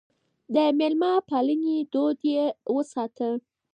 د مېلمه پالنې دود يې وساته.